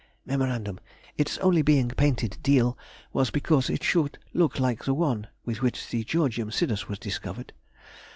(Mem.—Its only being painted deal was, because it should look like the one with which the Georgium Sidus was discovered.)